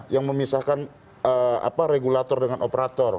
yang memisahkan regulator dengan operator